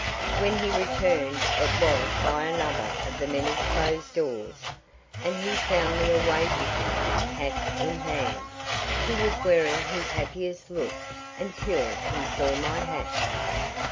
When he returned it was by another of the many closed doors, and he found me awaiting him, hat in hand. He was wearing his happiest look until he saw my hat.